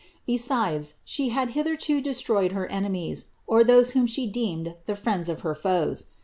Besides, she had hitherto destroyed her enemies, or those whom she deemed the friends of her foes.